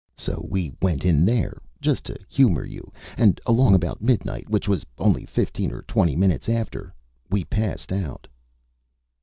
So we went in there just to humor you and along about midnight, which was only fifteen or twenty minutes after, we passed out."